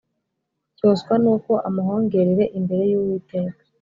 Cyoswa nuko amuhongererere imbere y uwiteka